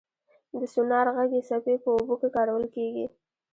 د سونار غږي څپې په اوبو کې کارول کېږي.